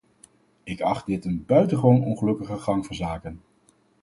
Ik acht dit een buitengewoon ongelukkige gang van zaken.